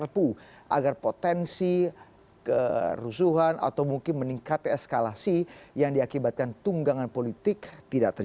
beserta negara bunga